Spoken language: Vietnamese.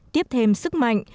tiếp thêm sức mạnh